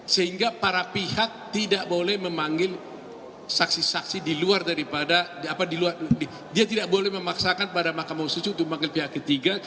sehingga para pihak tidak boleh memanggil saksi saksi di luar daripada dia tidak boleh memaksakan pada mahkamah konstitusi untuk memanggil pihak ketiga